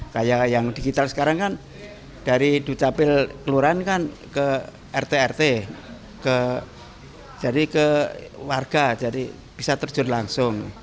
kayak yang digital sekarang kan dari ducapil kelurahan kan ke rt rt jadi ke warga jadi bisa terjun langsung